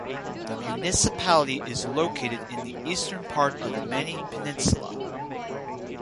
The municipality is located in the eastern part of the Mani Peninsula.